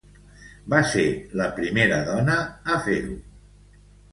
Va ser la primera dona espanyola a fer-ho.